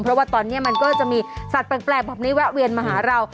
เพราะว่าตอนนี้มันก็จะมีสัตว์แปลกแบบนี้แวะเวียนมาหาเรา